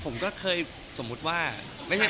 ผมก็เคยสมมุติว่าสมมุติว่า